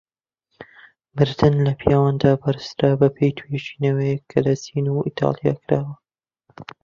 مردن لە پیاواندا بەرزترە بەپێی توێژینەوەک کە لە چین و ئیتاڵیا کراوە.